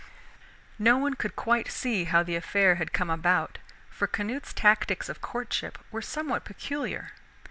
No one could quite see how the affair had come about, for Canute's tactics of courtship were somewhat peculiar.